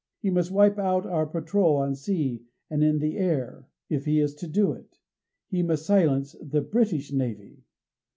He must wipe out our patrol on sea and in the air if he is to do it. He must silence the British Navy.